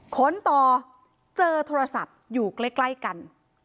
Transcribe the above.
ขนต่อเจอโทรศัพท์อยู่ใกล้กัน